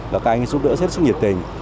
và các anh giúp đỡ rất là nhiệt tình